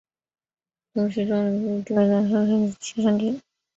东西梳妆楼均为两层三檐歇山顶。